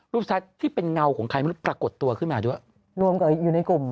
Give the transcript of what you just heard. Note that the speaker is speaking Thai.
ที่เป็นเงาของใครไม่รู้ปรากฏตัวขึ้นมาด้วยรวมกับอยู่ในกลุ่ม